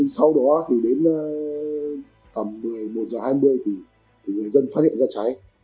sau đó thì đến tầm một mươi một h hai mươi thì người dân phát hiện ra cháy